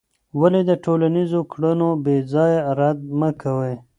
ولې د ټولنیزو کړنو بېځایه رد مه کوې؟